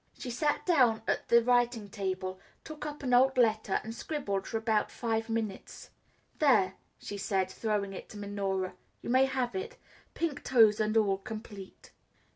She sat down at the writing table, took up an old letter, and scribbled for about five minutes. "There," she said, throwing it to Minora, "you may have it pink toes and all complete."